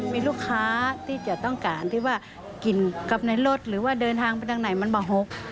มีลูกค้าที่จะต้องการที่ว่ากินกับในรถหรือว่าเดินทางไปทางไหนมันมาหก